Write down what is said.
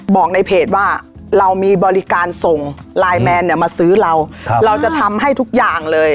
ในเพจว่าเรามีบริการส่งไลน์แมนเนี่ยมาซื้อเราเราจะทำให้ทุกอย่างเลย